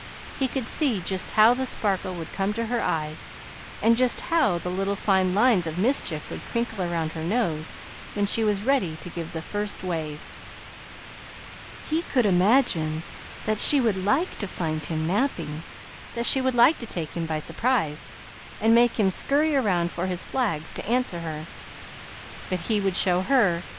He could see just how the sparkle would come to her eyes, and just how the little fine lines of mischief would crinkle around her nose when she was ready to give that first wave. He could imagine that she would like to find him napping; that she would like to take him by surprise, and make him scurry around for his flags to answer her. "But he would show her!